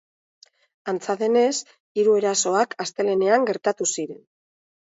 Antza denez, hiru erasoak astelehenean gertatu ziren.